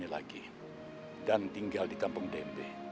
ibu sudah memaafkan engkau